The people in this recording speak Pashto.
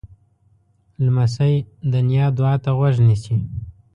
لمسی د نیا دعا ته غوږ نیسي.